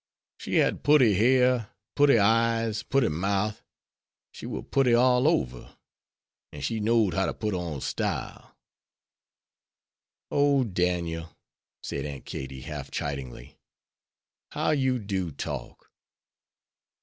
"She had putty hair, putty eyes, putty mouth. She war putty all over; an' she know'd how to put on style." "O, Daniel," said Aunt Katie, half chidingly, "how you do talk."